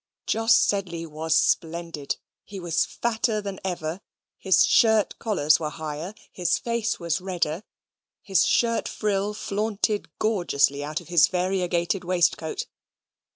Jos Sedley was splendid. He was fatter than ever. His shirt collars were higher; his face was redder; his shirt frill flaunted gorgeously out of his variegated waistcoat.